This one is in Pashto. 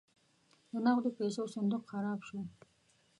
د نغدو پیسو صندوق خراب شو.